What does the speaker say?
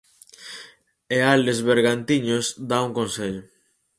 E Álex Bergantiños dá un consello.